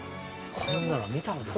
こんなの見たことない。